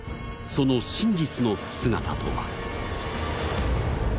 その真実の姿とは？